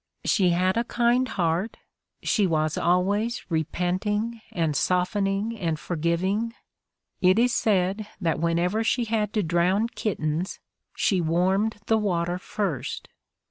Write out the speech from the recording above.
She had a kind heart, she was always repent ing and softening and forgiving; it is said that when ever she had to drown kittens, she warmed the water first.